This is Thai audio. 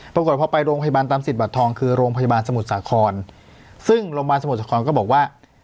ปรากฏพอไปโรงพยาบาลตามสิทธิบัตรทองคือโรงพยาบาลสมุทรสาครซึ่งโรงพยาบาลสมุทรสาครก็บอกว่า